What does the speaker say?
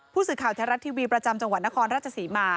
ผู้สื่อข่าวแท้รัฐทีวีประจำจังหวัดนครราชศรีมา